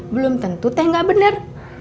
belum tentu teh gak bener